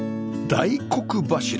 大黒柱